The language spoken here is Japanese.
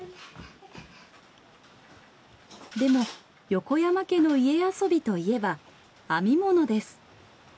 でも横山家の家遊びといえば編み物です。